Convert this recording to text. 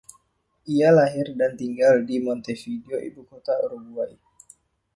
Ia lahir dan tinggal di Montevideo, ibukota Uruguay.